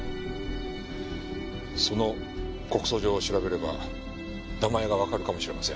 その告訴状を調べれば名前がわかるかもしれません。